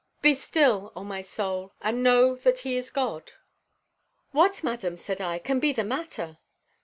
Be still, O my soul, and know that he is God." "What, madam," said I, "can be the matter?"